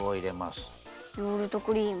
ヨーグルトクリーム。